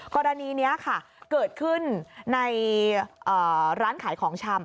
กรณีนี้ค่ะเกิดขึ้นในร้านขายของชำ